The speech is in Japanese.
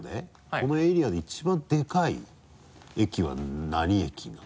このエリアで一番でかい駅は何駅になるの？